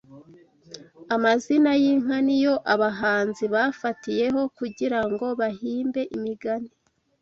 Amazina y’inka niyo Abahanzi bafatiyeho kugirango bahimbe imigani